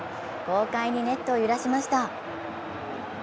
豪快にネットを揺らしました。